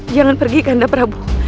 jangan pergi kanda prabu